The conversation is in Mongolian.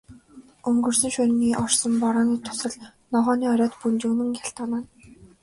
Өнгөрсөн шөнийн орсон борооны дусал ногооны оройд бөнжгөнөн гялтганана.